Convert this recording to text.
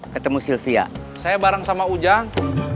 kamu lagi ngantar ke cimpring